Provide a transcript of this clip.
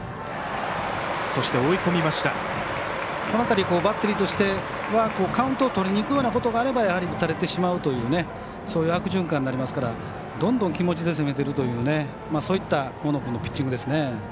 この辺り、バッテリーとしてはカウントをとりにいくようなことがあればやはり打たれてしまうというそういう悪循環になりますからどんどん気持ちで攻めてるというそういった大野君のピッチングですね。